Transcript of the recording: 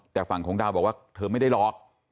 แต่ฝั่งของดาวบอกว่าเธอไม่ได้หลอก